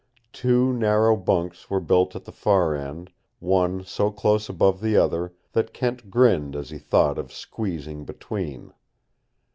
Two narrow bunks were built at the far end, one so close above the other that Kent grinned as he thought of squeezing between.